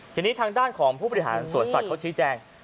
ทีนี้ทางด้านของผู้บริหารสวนสัตว์เขาชี้แจง